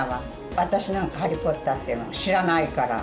私なんか、ハリー・ポッターっていうの知らないから。